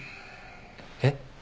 えっ？